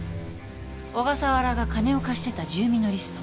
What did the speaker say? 小笠原が金を貸してた住民のリスト。